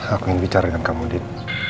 aku ingin bicara dengan kamu din